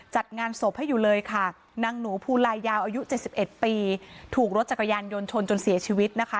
จัดงานศพให้อยู่เลยค่ะนางหนูภูลายยาวอายุ๗๑ปีถูกรถจักรยานยนต์ชนจนเสียชีวิตนะคะ